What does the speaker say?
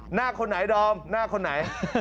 หน้าคนไหนดอมหน้าคนไหน